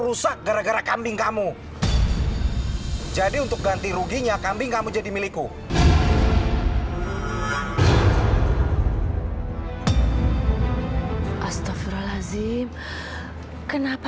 mas kambing ini untuk kurban dia mas